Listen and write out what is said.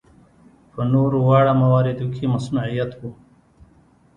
په نورو واړه مواردو کې مصنوعیت و.